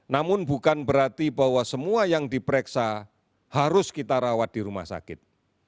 namun bukan berarti bahwa semua yang diperiksa harus kita rawat di rumah sakit